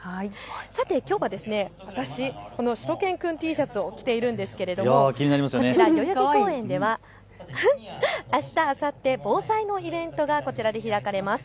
さて、きょうは私、しゅと犬くんＴシャツを着ているんですがこちら、代々木公園ではあした、あさって防災のイベントがこちらで開かれます。